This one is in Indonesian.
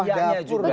tapi manusianya juga